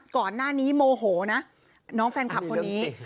ก่อนหน้านี้โมโหนะน้องแฟนคลับคนนี้